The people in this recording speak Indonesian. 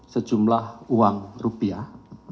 sejumlah uang rupiah